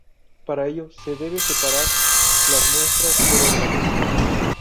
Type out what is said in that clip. Para ello se debe separar las muestras por organismo.